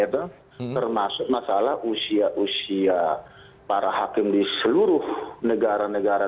termasuk masalah usia usia para hakim di seluruh negara negara